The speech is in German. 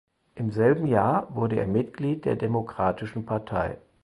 Im selben Jahr wurde er Mitglied der Demokratischen Partei.